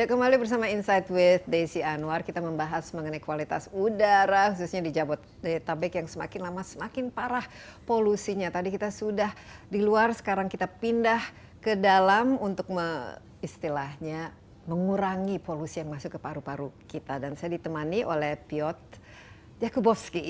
ya kembali berisama insight vd se anwar kita membahas mengenai kualitas udara khususnya di jabodetabek yang semakin lama semakin parah polusinya tadi kita sudah diluar sekarang kita pindah ke dalam untuk istilahnya mengurangi polusi yang masuk ke paru paru kita dan saya ditemani oleh piotr jakubowski